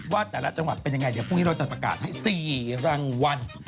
ว่าแต่ละจังหวัดเป็นยังไงเดี๋ยวพรุ่งนี้เราจะประกาศให้๔รางวัล